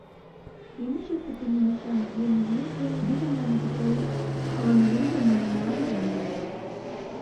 நிமிஷத்துக்கு நிமிஷம் என் வியப்பு அதிகமானது போல் அவன் உருவமும் மாறி வந்தது.